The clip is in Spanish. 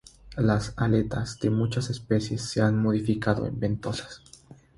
Las aletas de muchas especies se han modificado en ventosas.